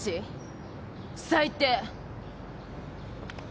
最低。